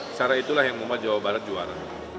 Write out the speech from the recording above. secara itulah yang membuat jawa barat juara